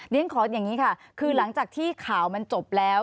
ขออย่างนี้ค่ะคือหลังจากที่ข่าวมันจบแล้ว